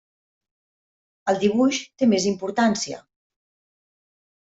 El dibuix té més importància.